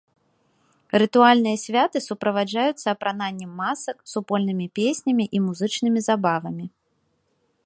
Рытуальныя святы суправаджаюцца апрананнем масак, супольнымі песнямі і музычнымі забавамі.